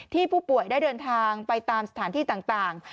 ผู้ป่วยได้เดินทางไปตามสถานที่ต่าง